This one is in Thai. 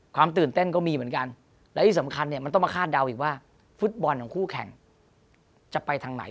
ตื่นเต้นก็มีเหมือนกันและที่สำคัญเนี่ยมันต้องมาคาดเดาอีกว่าฟุตบอลของคู่แข่งจะไปทางไหน